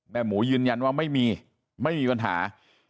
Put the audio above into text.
หมูยืนยันว่าไม่มีไม่มีปัญหา